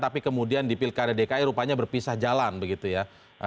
tapi kemudian di pilkada dki rupanya berpisah jalan begitu ya